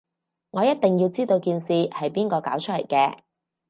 我一定要知道件事係邊個搞出嚟嘅